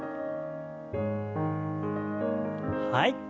はい。